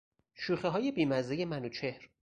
شوخیهای بیمزهی منوچهر